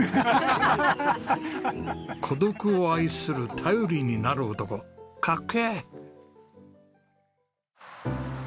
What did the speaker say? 孤独を愛する頼りになる男！かっけえ！